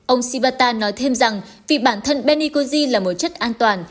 ông shibata nói thêm rằng vì bản thân benicoji là một chất an toàn